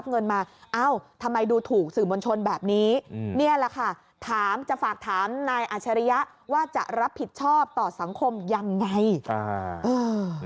บอกว่าเมื่อวานนี้แถลงข่าวที่โรงแรม